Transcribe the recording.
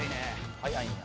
速いんや。